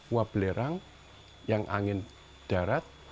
uap belerang yang angin darat